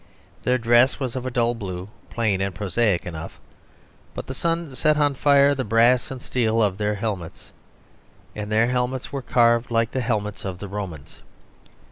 Their dress was of a dull blue, plain and prosaic enough, but the sun set on fire the brass and steel of their helmets; and their helmets were carved like the helmets of the Romans.